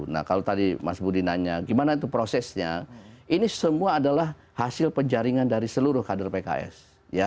nah kalau tadi mas budi nanya gimana itu prosesnya ini semua adalah hasil penjaringan dari seluruh kader pks